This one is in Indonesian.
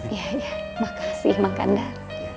iya iya makasih mengkandar